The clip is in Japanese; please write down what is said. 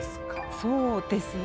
そうですね。